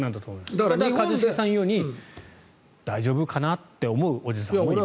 ただ、一茂さんが言うように大丈夫かなって思うおじさんもいます。